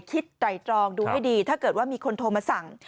ไตรตรองดูให้ดีถ้าเกิดว่ามีคนโทรมาสั่ง